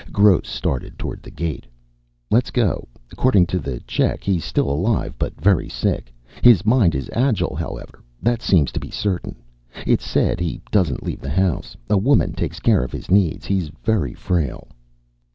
Gross started toward the gate. "Let's go. According to the check he's still alive, but very sick. His mind is agile, however. That seems to be certain. It's said he doesn't leave the house. A woman takes care of his needs. He's very frail."